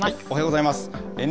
おはようございます。